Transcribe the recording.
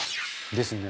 「ですね